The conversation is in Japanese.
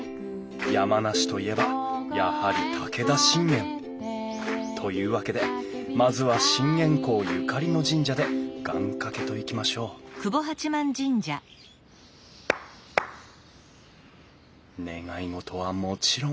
山梨といえばやはり武田信玄。というわけでまずは信玄公ゆかりの神社で願かけといきましょう願い事はもちろん！